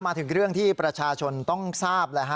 มาถึงเรื่องที่ประชาชนต้องทราบ